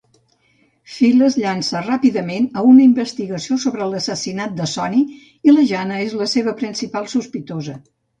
Phil es llança ràpidament a una investigació sobre l'assassinat de Sonny, i la Jana és la seva principal sospitosa.